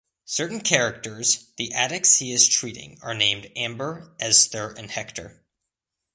Certain characters, the addicts he is treating, are named Amber, Esther, and Hector.